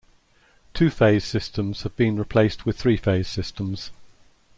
Two-phase systems have been replaced with three-phase systems.